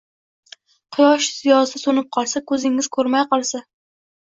Quyosh ziyosi so‘nib qolsa, ko‘zingiz ko‘rmay qolsa.